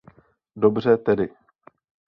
Dobře tedy.